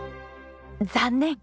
残念！